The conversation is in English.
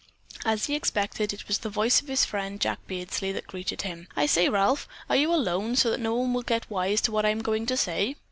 As he had expected, it was the voice of his friend, Jack Beardsley, that greeted him. "I say, Ralph, are you alone so that no one will get wise to what I am going to say?"